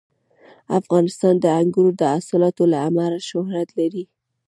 افغانستان د انګورو د حاصلاتو له امله شهرت لري.